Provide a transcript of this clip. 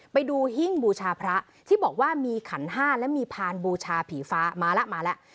ไปดูหิ้งบูชาพระที่บอกว่ามีขันห้าและมีพานบูชาผีฟ้ามาแล้วมาแล้ว